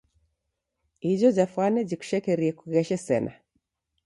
Ijo jafwane jikushekerie kugheshe sena.